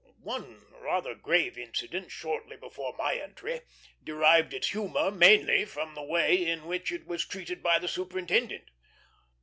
One rather grave incident, shortly before my entry, derived its humor mainly from the way in which it was treated by the superintendent.